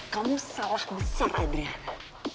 kamu salah besar adriana